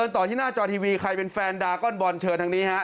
ต่อที่หน้าจอทีวีใครเป็นแฟนดาก้อนบอลเชิญทางนี้ฮะ